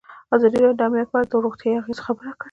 ازادي راډیو د امنیت په اړه د روغتیایي اغېزو خبره کړې.